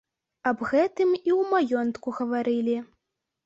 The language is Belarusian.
Аб гэтым і ў маёнтку гаварылі.